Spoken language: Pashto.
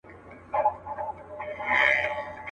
زاړه به ځي نوي نسلونه راځي.